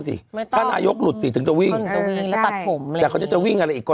แสดงว่าอย่างนี้ก็